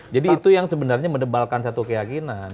jadi itu yang sebenarnya mendebalkan satu keyakinan